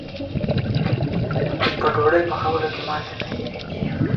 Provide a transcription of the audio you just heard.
په ډوډۍ پخولو کې مالګه نه هېریږي.